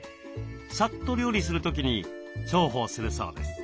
さっと料理する時に重宝するそうです。